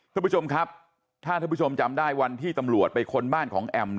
คุณผู้ชมครับถ้าท่านผู้ชมจำได้วันที่ตำรวจไปค้นบ้านของแอม